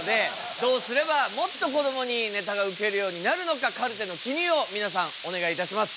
どうすればもっとこどもにネタがウケるようになるのかカルテの記入を皆さんお願いいたします。